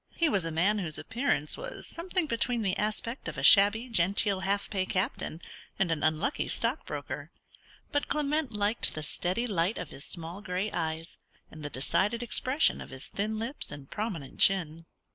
He was a man whose appearance was something between the aspect of a shabby genteel half pay captain and an unlucky stockbroker: but Clement liked the steady light of his small grey eyes, and the decided expression of his thin lips and prominent chin.